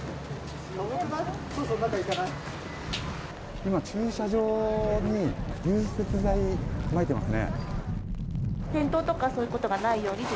今、駐車場に融雪剤をまいていますね。